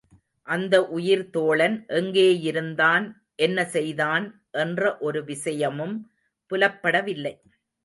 அந்த உயிர் தோழன், எங்கேயிருந்தான், என்ன செய்தான் என்ற ஒரு விசயமும் புலப்படவில்லை.